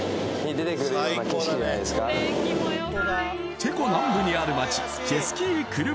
チェコ南部にある街